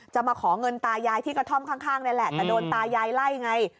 มาขอเงินตายายที่กระท่อมข้างนี่แหละแต่โดนตายายไล่ไง